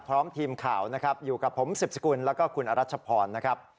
พร้อมทีมข่าวนะครับอยู่กับผมสิบสกุลแล้วก็คุณอรัชพรนะครับ